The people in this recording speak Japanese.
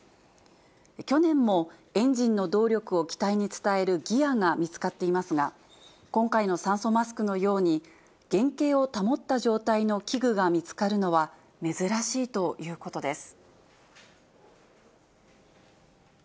去年もエンジンの動力を機体に伝えるギアが見つかっていますが、今回の酸素マスクのように、原形を保った状態の器具が見つかるのは珍しいということです。